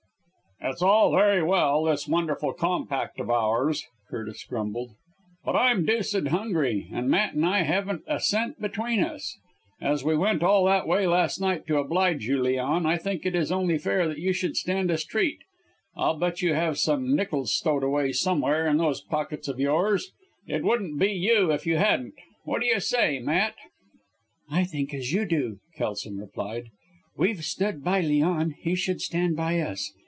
"It's all very well this wonderful compact of ours," Curtis grumbled, "but I'm deuced hungry, and Matt and I haven't a cent between us. As we went all that way last night to oblige you, Leon, I think it is only fair you should stand us treat. I'll bet you have some nickels stowed away, somewhere, in those pockets of yours it wouldn't be you if you hadn't! What do you say, Matt?" "I think as you do," Kelson replied. "We've stood by Leon, he should stand by us.